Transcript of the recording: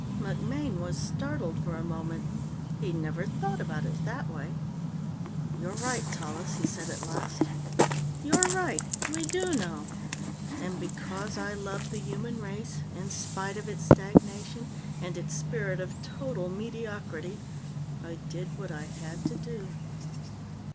MacMaine was startled for a moment. He'd never thought about it that way. "You're right, Tallis," he said at last. "You're right. We do know. And because I loved the human race, in spite of its stagnation and its spirit of total mediocrity, I did what I had to do."